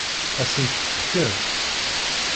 Ad sen-t-fkent?